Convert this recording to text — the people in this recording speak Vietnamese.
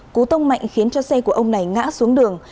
cú tông mạnh khiến cho xe của ông này ngã xuống đường